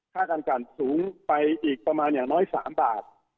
ค่าการกันสูงไปอีกประมาณอย่างน้อย๓บาท